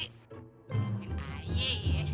omongin ayah ya